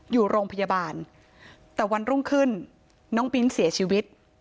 อยู่โรงพยาบาลแต่วันรุ่งขึ้นน้องมิ้นเสียชีวิต